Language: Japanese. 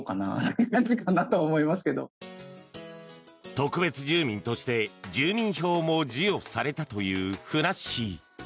特別住民として住民票も授与されたというふなっしー。